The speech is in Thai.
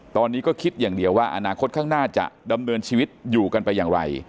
ตอนนี้ก็คิดอย่างเดียวว่าอนาคตข้างหน้าจะดำเนินชีวิตอยู่กันไปอย่างไร